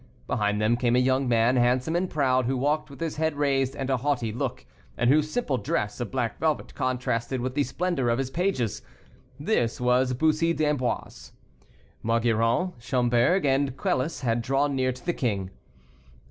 Behind them came a young man, handsome and proud; who walked with his head raised and a haughty look, and whose simple dress of black velvet contrasted with the splendor of his pages. This was Bussy d'Amboise. Maugiron, Schomberg, and Quelus had drawn near to the king.